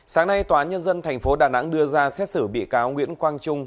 sáng nay tòa nhân dân tp đà nẵng đưa ra xét xử bị cáo nguyễn quang trung